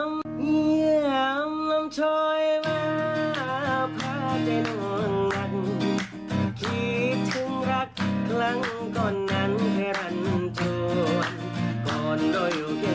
ช่วงที่เขาไม่ได้ช่วงห่างกันสุดครั้งวันน้าโลกละวันและคลายกัน